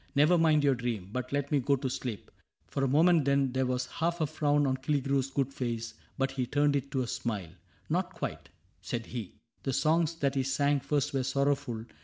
Never mind your dream. But let me go to sleep." — For a moment then There was half a frown on Killigrew's good face. But he turned it to a smile. —" Not quite," said he; " The songs that he sang first were sorrowful.